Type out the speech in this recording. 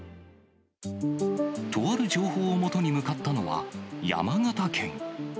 とある情報をもとに向かったのは、山形県。